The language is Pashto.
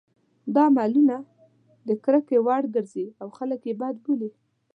دا عملونه د کرکې وړ وګرځي او خلک یې بد بولي.